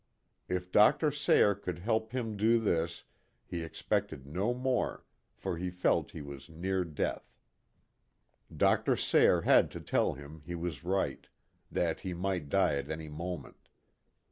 If Dr. Sayre could help him do this he expected no more, for he felt he was near death. Dr. Sayre had to tell him he was right ; that he might die at any moment.